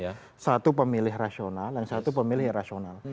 yang satu pemilih rasional yang satu pemilih irasional